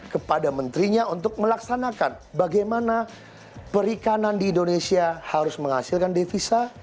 kepada menterinya untuk melaksanakan bagaimana perikanan di indonesia harus menghasilkan devisa